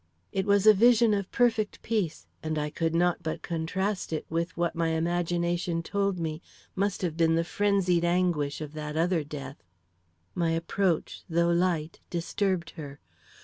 It was a vision of perfect peace, and I could not but contrast it with what my imagination told me must have been the frenzied anguish of that other death. My approach, though light, disturbed her.